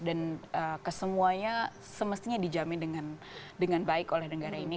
dan kesemuanya semestinya dijamin dengan baik oleh negara ini